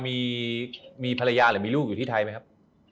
ก็มีรู้อีกรูปดีไหมครับ